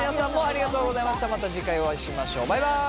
また次回お会いしましょうバイバイ。